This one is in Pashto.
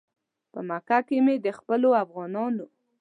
په مکه کې مې د خپلو افغانانو.